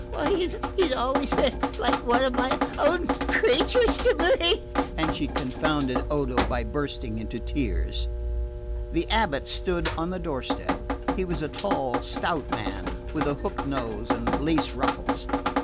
He's always been like one of my own creatures to me " and she confounded Odo by bursting into tears. The abate stood on the doorstep. He was a tall stout man with a hooked nose and lace ruffles.